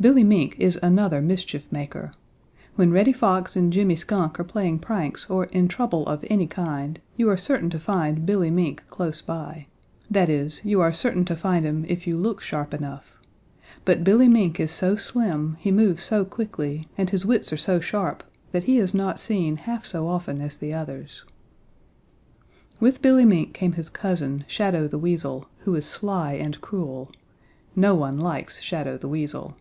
Billy Mink is another mischief maker. When Reddy Fox and Jimmy Skunk are playing pranks or in trouble of any kind you are certain to find Billy Mink close by. That is, you are certain to find him if you look sharp enough. But Billy Mink is so slim, he moves so quickly, and his wits are so sharp, that he is not seen half so often as the others. With Billy Mink came his cousin, Shadow the Weasel, who is sly and cruel. No one likes Shadow the Weasel.